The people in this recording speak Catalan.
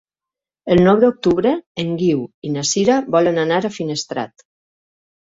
El nou d'octubre en Guiu i na Sira volen anar a Finestrat.